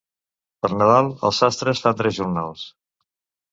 Per Nadal els sastres fan tres jornals.